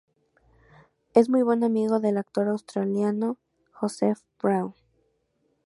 Es muy buen amigo del actor australiano Josef Brown.